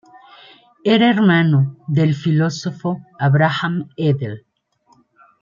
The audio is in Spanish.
Era hermano del filósofo Abraham Edel.